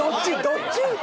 どっち？